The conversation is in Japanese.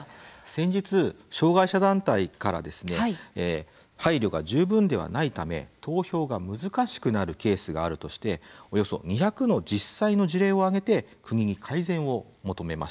先日障害者団体から「配慮が十分ではないため投票が難しくなるケースがある」としておよそ２００の実際の事例を挙げて国に改善を求めました。